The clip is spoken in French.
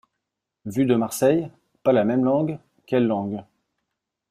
Vu de Marseille? Pas la même langue ? Quelle langue ?